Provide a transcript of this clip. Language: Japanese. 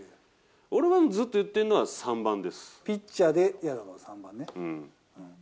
俺はずっと言ってるのは３番ピッチャーで嫌なのは３番ね。